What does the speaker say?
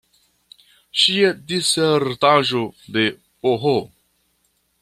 Ŝia disertaĵo de Ph.